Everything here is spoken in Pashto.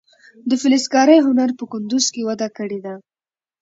د فلزکارۍ هنر په کندز کې وده کړې ده.